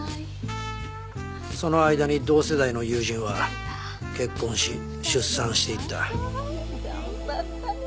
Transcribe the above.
その間に同世代の友人は結婚し出産していった。